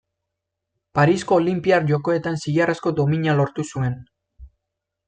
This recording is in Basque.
Parisko Olinpiar Jokoetan zilarrezko domina lortu zuen.